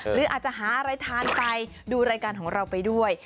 หรืออาจจะหาอะไรทานไปดูรายการของเราไปด้วย